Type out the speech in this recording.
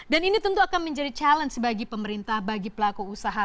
dan ini tentu akan menjadi challenge bagi pemerintah bagi pelaku usaha